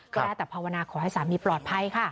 ก็ได้แต่ภาวนาขอให้สามีปลอดภัยค่ะ